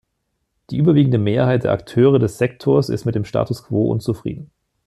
Die überwiegende Mehrheit der Akteure des Sektors ist mit dem Status quo unzufrieden.